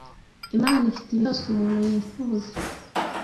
Imana ifite ibintu byose umuntu yifuza.